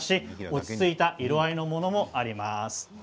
落ち着いた色合いのものもあります。